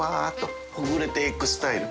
佞錣舛辰ほぐれていくスタイル。